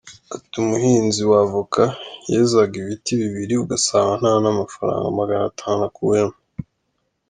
Ati “Umuhinzi wa avoka yezaga ibiti bibiri ugasanga nta n’amafaranga magana atanu akuyemo.